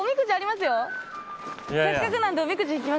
せっかくなんで。